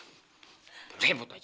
ini yang harus diberikan pak